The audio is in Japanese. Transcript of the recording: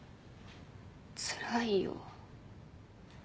つらいよ。